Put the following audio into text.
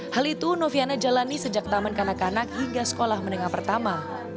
hal itu noviana jalani sejak taman kanak kanak hingga sekolah menengah pertama